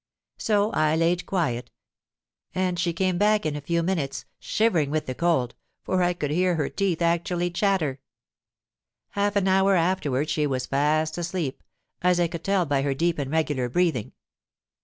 So I laid quiet; and she came back in a few minutes, shivering with the cold—for I could hear her teeth actually chatter. Half an hour afterwards she was fast asleep—as I could tell by her deep and regular breathing.